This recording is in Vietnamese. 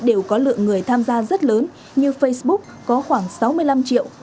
đều có lượng người tham gia rất lớn như facebook có khoảng sáu mươi năm triệu